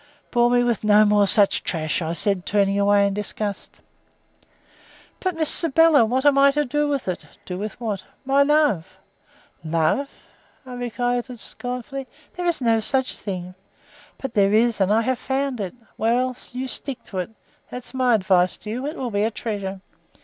"Bore me with no more such trash," I said, turning away in disgust. "But, Miss Sybylla, what am I to do with it?" "Do with what?" "My love." "Love!" I retorted scornfully. "There is no such thing." "But there is, and I have found it." "Well, you stick to it that's my advice to you. It will be a treasure.